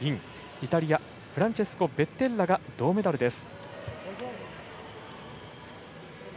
イタリアフランチェスコ・ベッテッラが銅メダルです。